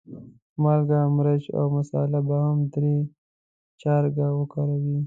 مالګه، مرچ او مساله به هم درې چارکه وکاروې.